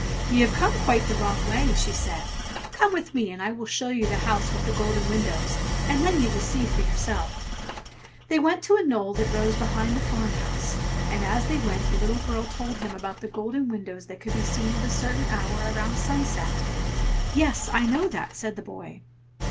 "You have come quite the wrong way!" she said. "Come with me, and I will show you the house with the golden windows, and then you will see for yourself." They went to a knoll that rose behind the farmhouse, and as they went the little girl told him that the golden windows could only be seen at a certain hour, about sunset. "Yes, I know that!" said the boy.